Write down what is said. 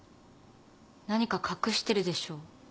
何か隠してるでしょ？